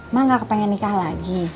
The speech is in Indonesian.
mah gak kepengen nikah lagi